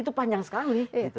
itu panjang sekali